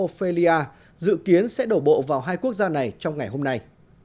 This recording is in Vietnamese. australia dự kiến sẽ đổ bộ vào hai quốc gia này trong ngày hôm nay